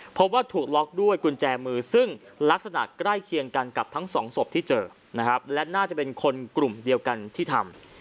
พบว่าถูกล็อกด้วยกุญแจมือซึ่งลักษณะใกล้เคียงกันกับทั้งสองศพที่เจอนะครับและน่าจะเป็นคนกลุ่มเดียวกันที่ทำ